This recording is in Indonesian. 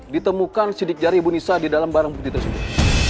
ditemukan sidik jari ibu nisa di dalam barang bukti tersebut